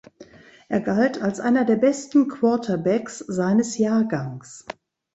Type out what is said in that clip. Er galt als einer der besten Quarterbacks seines Jahrgangs.